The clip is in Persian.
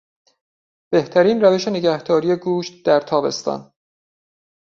بهترین روش نگهداری گوشت در تابستان